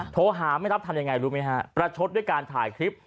โทรหาไม่รับทำยังไงรู้ไหมฮะประชดด้วยการถ่ายคลิป